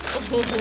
terima kasih ya